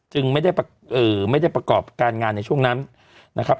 จึงไม่ได้เอ่อไม่ได้ประกอบการงานในช่วงนั้นนะครับ